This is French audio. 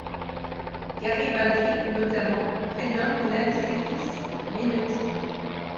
Garibaldi, notamment, prénomme l'un de ses fils Menotti.